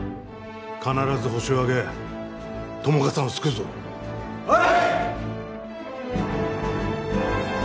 必ずホシを挙げ友果さんを救うぞはい！